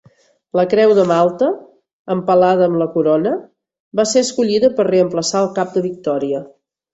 La Creu de Malta empalada amb la Corona va ser escollida per reemplaçar el cap de Victòria.